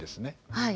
はい。